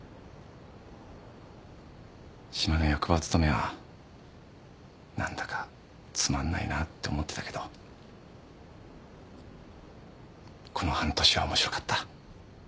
島の役場勤めは何だかつまんないなって思ってたけどこの半年はおもしろかった。